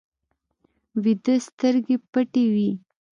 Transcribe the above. ویده سترګې پټې وي